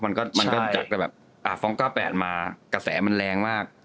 มันก็จัดแบบฟรองค์๙๘มากระแสมันแรงมาก